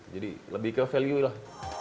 jadi lebih ke value lah